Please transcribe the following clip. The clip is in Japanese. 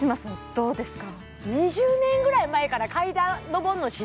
どうですか？